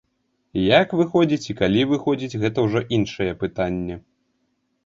Як выходзіць і калі выходзіць гэта ўжо іншае пытанне.